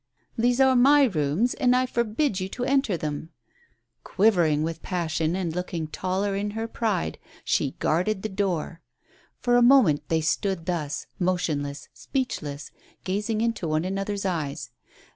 These are my rooms, and I forbid you to enter them 1 " Quivering with passion and looking taller in her pride, she guarded the door. For a moment they stood thus, motionless, speechless, gazing into one another's eyes.